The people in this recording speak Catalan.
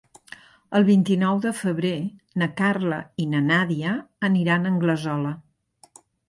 El vint-i-nou de febrer na Carla i na Nàdia aniran a Anglesola.